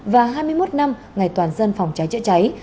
và hai mươi một năm ngày toàn dân phòng cháy chữa cháy